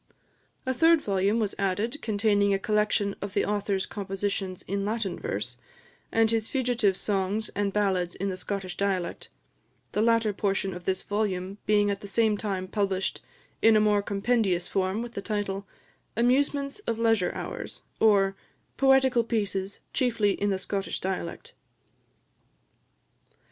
A third volume was added, containing a collection of the author's compositions in Latin verse, and his fugitive songs and ballads in the Scottish dialect the latter portion of this volume being at the same time published in a more compendious form, with the title, "Amusements of Leisure Hours; or, Poetical Pieces, chiefly in the Scottish dialect."